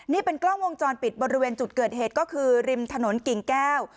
นี่เป็นกล้องวงจรปิดบริเวณจุดเกิดเหตุก็คือริมถนนกิ่งแก้ว